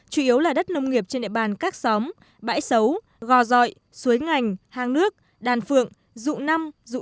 chủ yếu là đất nông nghiệp trên địa bàn các xóm bãi xấu gò dọi suối ngành hang nước đàn phượng dụ năm dụ sáu